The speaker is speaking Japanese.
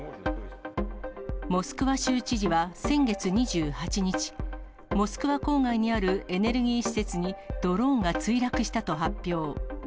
モスクワ州知事は先月２８日、モスクワ郊外にあるエネルギー施設にドローンが墜落したと発表。